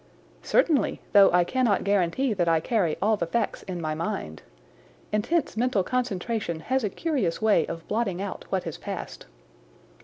"Certainly, though I cannot guarantee that I carry all the facts in my mind. Intense mental concentration has a curious way of blotting out what has passed.